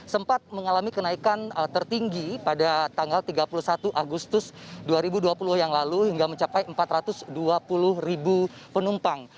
sempat mengalami kenaikan tertinggi pada tanggal tiga puluh satu agustus dua ribu dua puluh yang lalu hingga mencapai empat ratus dua puluh ribu penumpang